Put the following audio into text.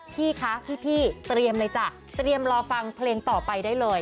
พี่คะพี่เตรียมเลยจ้ะเตรียมรอฟังเพลงต่อไปได้เลย